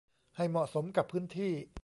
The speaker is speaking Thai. ให้เหมาะสมกับพื้นที่